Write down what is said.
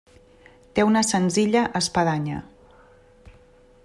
Té una senzilla espadanya.